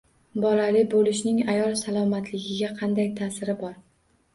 Bolali bo‘lishning ayol salomatligiga qanday ta’siri bor?